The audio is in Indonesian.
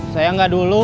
saya gak dulu